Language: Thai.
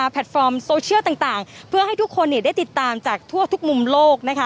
แพลตฟอร์มโซเชียลต่างเพื่อให้ทุกคนได้ติดตามจากทั่วทุกมุมโลกนะคะ